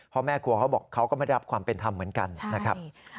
เพราะแม่ครัวเขาบอกเขาก็ไม่ได้รับความเป็นธรรมเหมือนกันนะครับ